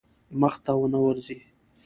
منځ ته نه ورځي.